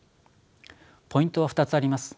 ポイントは２つあります。